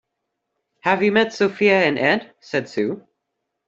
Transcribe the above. Have you met Sophia and Ed? said Sue.